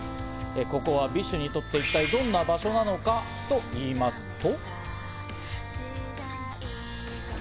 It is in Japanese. ここはＢｉＳＨにとって一体どんな場所なのかといいますと。